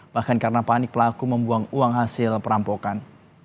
bahkan karena panik pelaku membuang uang hasil perampokan